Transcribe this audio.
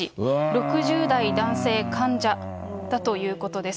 ６０代男性、患者だということです。